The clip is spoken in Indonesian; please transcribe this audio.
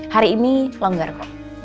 hari ini longgar kok